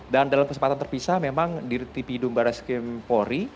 dan dalam kesempatan terpisah memang dirtipi dumbaris kempori